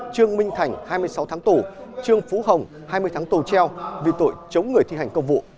trương minh thành hai mươi sáu tháng tù trương phú hồng hai mươi tháng tù treo vì tội chống người thi hành công vụ